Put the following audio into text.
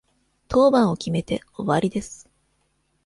当番を決めて終わりです。